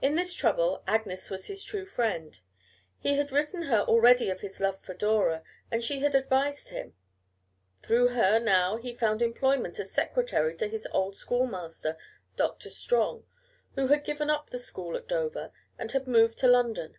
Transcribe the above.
In this trouble Agnes was his true friend. He had written her already of his love for Dora and she had advised him. Through her now he found employment as secretary to his old schoolmaster, Doctor Strong, who had given up the school at Dover and had moved to London.